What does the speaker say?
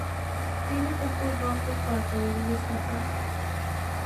Tiene pocos bancos para poder descansar.